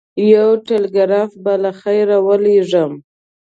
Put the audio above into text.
یو ټلګراف به له خیره ورلېږم.